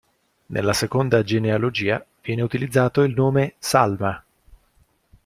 Nella seconda genealogia viene utilizzato il nome "Salma".